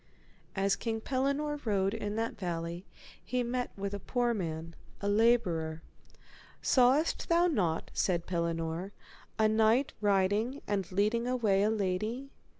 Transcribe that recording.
As King Pellinore rode in that valley he met with a poor man, a labourer. Sawest thou not, said Pellinore, a knight riding and leading away a lady?